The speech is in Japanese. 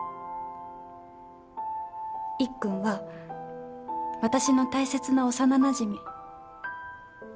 いっくんは私の大切な幼なじみ。